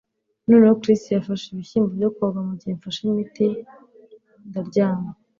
Noneho, CHris yafashe ibishyimbo byo koga mugihe mfashe imiti ndaryama.